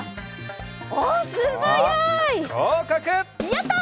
やった！